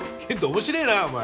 面白えなお前。